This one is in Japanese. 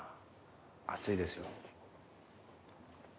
熱いですよ。